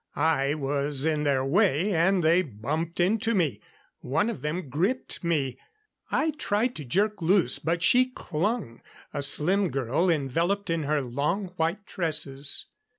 I was in their way and they bumped into me; one of them gripped me. I tried to jerk loose, but she clung. A slim girl, enveloped in her long, white tresses.